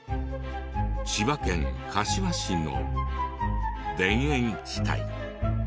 千葉県柏市の田園地帯。